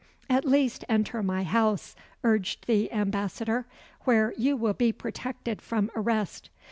"At least enter my house," urged the ambassador, "where you will be protected from arrest."